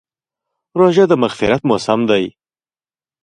روژه د مغفرت موسم دی.